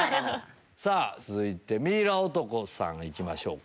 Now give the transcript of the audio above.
続いてミイラ男さん行きましょうか。